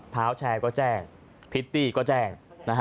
เท้าแชร์ก็แจ้งพริตตี้ก็แจ้ง